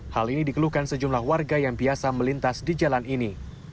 hal ini dikeluhkan sejumlah warga yang biasa melintas di jalan ini